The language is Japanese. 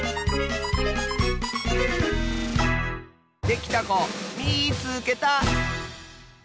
できたこみいつけた！